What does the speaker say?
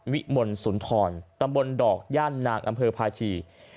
มลสุนทรตำบลดอกย่านนางอำเภอภาชี